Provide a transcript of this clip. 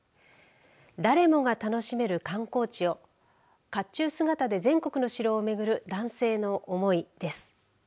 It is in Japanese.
誰もが楽しめる観光地を甲冑姿で全国の城を巡る男性の思いです。